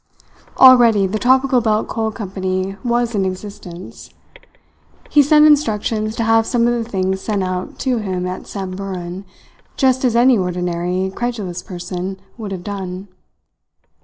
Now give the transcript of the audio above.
Already the Tropical Belt Coal Company was in existence. He sent instructions to have some of the things sent out to him at Samburan, just as any ordinary, credulous person would have done.